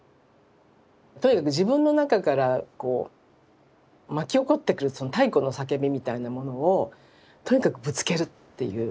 とにかく自分の中から巻き起こってくるその太古の叫びみたいなものをとにかくぶつけるっていう。